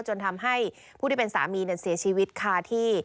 จนทำให้ผู้ที่เป็นสามีเสียชีวิตคาที่